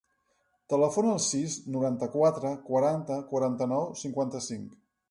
Telefona al sis, noranta-quatre, quaranta, quaranta-nou, cinquanta-cinc.